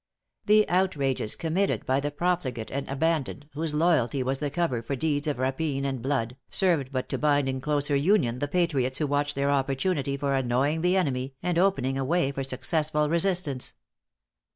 The outrages committed by the profligate and abandoned, whose loyalty was the cover for deeds of rapine and blood, served but to bind in closer union the patriots who watched their opportunity for annoying the enemy, and opening a way for successful resistance.